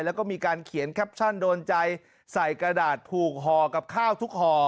แล้วก็มีการเขียนแคปชั่นโดนใจใส่กระดาษผูกห่อกับข้าวทุกห่อ